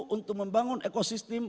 untuk membangun ekosistem